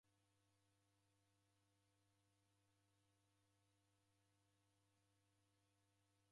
Namghoria loli, inyo mchalila na kudikwa ni mbori.